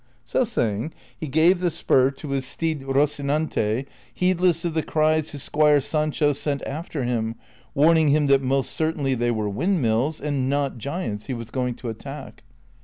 So saying, he gave the spur to his steed Rocinante, heedless of the cries his squire Sancho sent after him, warning him that most certainly they were Avindmills and not giants he was going to attack.